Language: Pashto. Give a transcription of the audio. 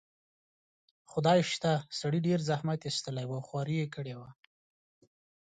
خدای شته، سړي ډېر زحمت ایستلی و، خواري یې کړې وه.